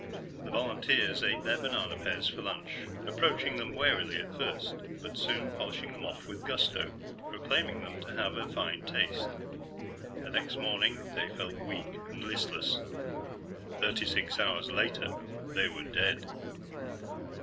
The volunteers ate their banana pears for lunch, approaching them warily at first, but soon polishing them off with gusto, proclaiming them to have a fine taste. The next morning, they felt weak and listless. Thirty six hours later, they were dead.